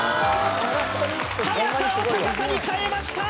速さを高さに変えました！